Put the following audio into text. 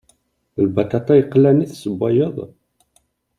D lbaṭaṭa yeqlan i tessewwayeḍ?